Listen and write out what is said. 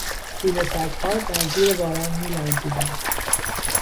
توله سگها در زیر باران میلرزیدند.